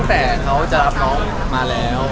แต่เขาจะรับน้องมาแล้ว